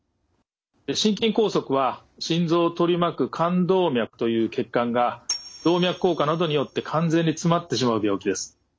心筋梗塞は心臓を取り巻く冠動脈という血管が動脈硬化などによって完全に詰まってしまう病気です。